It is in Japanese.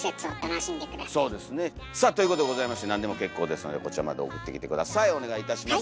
さあということでございまして何でも結構ですのでこちらまで送ってきて下さいお願いいたします。